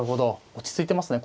落ち着いてますね。